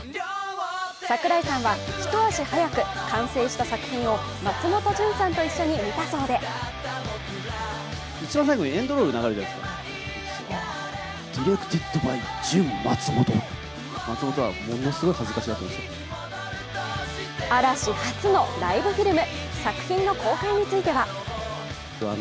櫻井さんは一足早く完成した作品を松本潤さんと一緒に見たそうで嵐、初のライブフィルム。